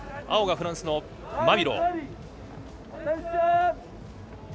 青がフランスのマビロー。